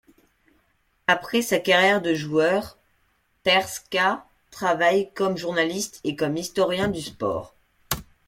Après sa carrière de joueur, Perška travaille comme journaliste et comme historien du sport.